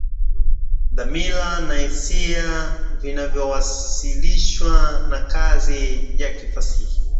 dhamira na hisia vinavyowasilishwa na kazi ya kifasihi